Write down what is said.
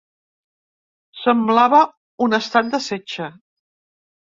Semblava un estat de setge.